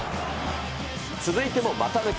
続いても股抜き。